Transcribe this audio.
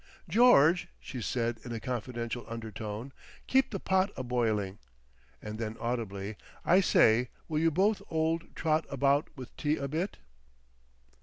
"George," she said in a confidential undertone, "keep the pot a boiling." And then audibly, "I say, will you both old trot about with tea a bit?"